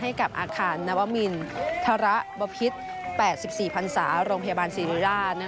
ให้กับอาคารนวมินทรบพิษ๘๔พันศาโรงพยาบาลศิริราช